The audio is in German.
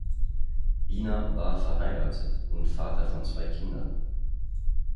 Biener war verheiratet und Vater von zwei Kindern.